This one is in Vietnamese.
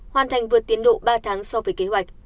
hoàn thành vượt tiến độ ba tháng so với kế hoạch